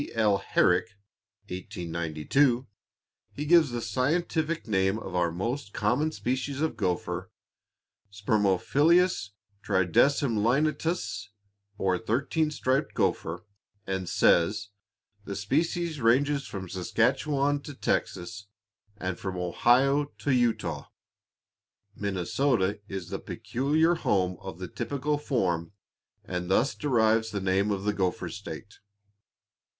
L. Herrick, 1892, he gives the scientific name of our most common species of gopher, "Spermophilus Tridecemlineatus," or thirteen striped gopher, and says: "The species ranges from the Saskatchawan to Texas, and from Ohio to Utah. Minnesota is the peculiar home of the typical form, and thus deserves the name of the 'Gopher State.'"